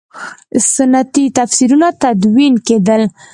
سنتي تفسیرونه تدوین کېدل.